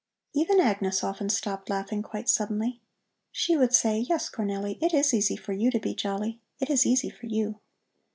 Even Agnes often stopped laughing quite suddenly. She would say: "Yes, Cornelli, it is easy for you to be jolly. It is easy for you."